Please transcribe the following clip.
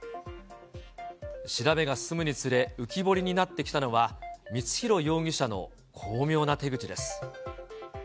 調べが進むにつれ浮き彫りになってきたのは、光弘容疑者の巧妙な手口です。